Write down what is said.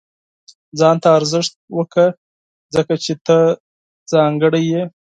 • ځان ته ارزښت ورکړه، ځکه چې ته ځانګړی یې.